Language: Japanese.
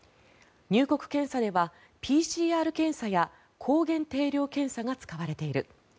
入国検査ではＰＣＲ検査や抗原定量検査が使われている。